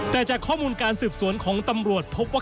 แต่จากข้อมูลการสืบสวนของตำรวจพบว่า